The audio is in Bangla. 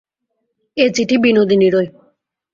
এ চিঠি বিনোদিনীরই।